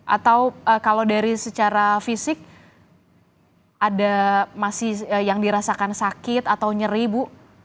atau kalau dari secara fisik ada masih yang dirasakan sakit atau nyeri bu